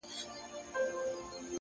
پوهه د ذهن بندیزونه ماتوي,